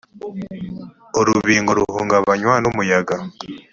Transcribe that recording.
urubingo ruhungabanywa n umuyaga